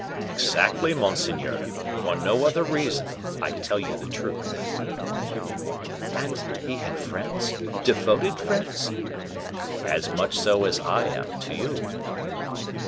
"Exactly, monseigneur; for no other reason. I tell you the truth." "And he had friends devoted friends?" "As much so as I am to you."